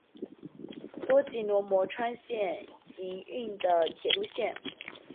东急多摩川线营运的铁路线。